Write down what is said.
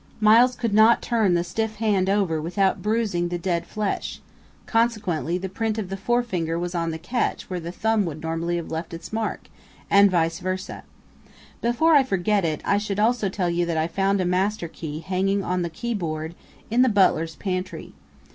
Miles could not turn the stiff hand over without bruising the dead flesh; consequently the print of the forefinger was on the catch where the thumb would normally have left its mark and vice versa.... Before I forget it, I should also tell you that I found a master key hanging on the keyboard in the butler's pantry.